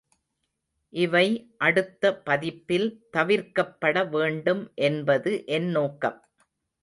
இவை அடுத்த பதிப்பில் தவிர்க்கப்படவேண்டும் என்பது என் நோக்கம்.